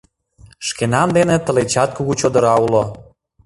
Шкенан дене тылечат кугу чодыра уло.